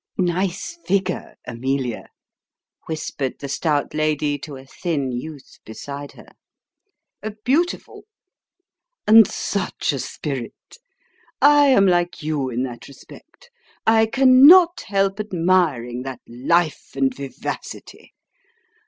"Nice figure, Amelia," whispered the stout lady to a thin youth beside her. "Beautiful!" " And such a spirit ! I am like you in that respect. I can not help admiring that life and vivacity.